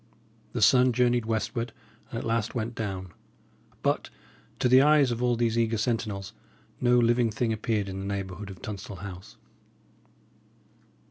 The sun journeyed westward, and at last went down; but, to the eyes of all these eager sentinels, no living thing appeared in the neighbourhood of Tunstall House.